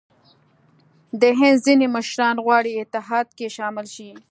د هند ځیني مشران غواړي اتحاد کې شامل شي.